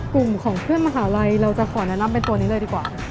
กลุ่มของเพื่อนมหาลัยเราจะขอแนะนำเป็นตัวนี้เลยดีกว่า